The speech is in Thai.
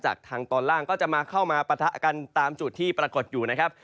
ทางตอนล่างก็จะมาเข้ามาปะทะกันตามจุดที่ปรากฏอยู่นะครับ